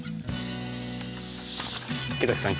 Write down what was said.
池崎さん